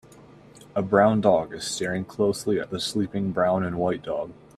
A brown dog is staring closely at a sleeping brown and white dog.